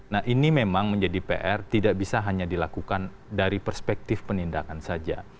nah ini memang menjadi pr tidak bisa hanya dilakukan dari perspektif penindakan saja